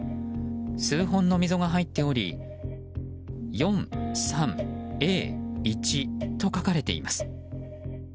数本の溝が入っており「４３Ａ１」と書かれています。